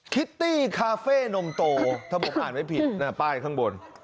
ิตตี้คาเฟ่นมโตถ้าผมอ่านไม่ผิดนะป้ายข้างบน